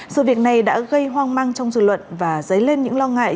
sự việc này đã gây hoang mang trong dự luận và dấy lên những lo ngại